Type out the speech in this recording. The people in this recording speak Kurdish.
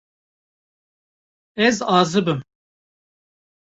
Ez azib im.